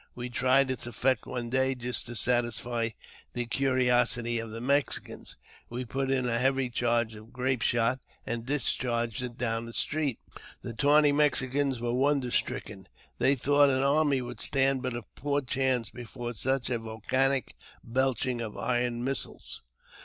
We tried its effect one day, just to satisfy the curiosity of the Mexicans : we put in a heavy charge of grape shot, and discharged it down the street. The tawny Mexicans were wonder stricken : they thought an army would stand but a poor chance before such a volcanic belching of iron missiles.